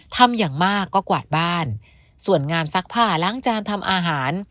ทำอย่างมากก็กวาดบ้านส่วนงานซักผ้าล้างจานทำอาหาร